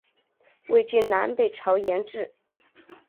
魏晋南北朝沿置。